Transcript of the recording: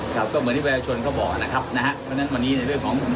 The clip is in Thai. ครับก็เหมือนที่ประชาชนเขาบอกนะครับนะฮะเพราะฉะนั้นวันนี้ในเรื่องของผม